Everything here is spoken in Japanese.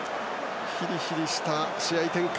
ヒリヒリした試合展開。